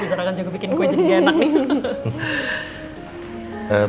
bu sara kan juga bikin gue jadi enak nih